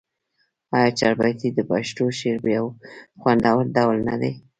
آیا چهاربیتې د پښتو شعر یو خوندور ډول نه دی؟